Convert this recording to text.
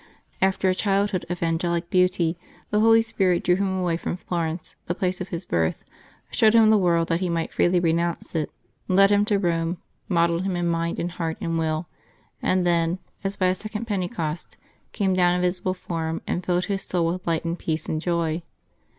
After a childhood of angelic beauty the Holy •Spirit drew him away from Florence, the place of his birth, showed him the world, that he might freely renounce it, led him to Rome, modelled him in mind and heart and will, and then, as by a second Pentecost, came down in visible form and filled his soul with light and peace and joy.